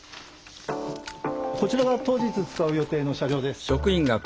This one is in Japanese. こちらが当日、使う予定の車両です。